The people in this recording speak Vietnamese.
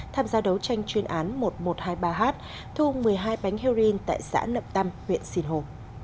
tham gia đấu tranh chuyên án một nghìn một trăm hai mươi ba h thu một mươi hai bánh heo rin tại xã lậm tâm huyện sinh hồ